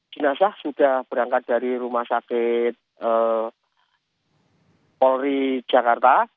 jenazah sudah berangkat dari rumah sakit polri jakarta